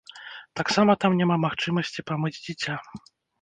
Таксама там няма магчымасці памыць дзіця.